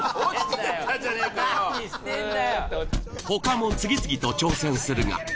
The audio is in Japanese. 他も次々と挑戦するが。